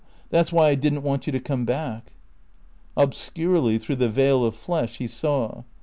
That's why I didn't want you to come back." Obscurely, through the veil of flesh, he saw.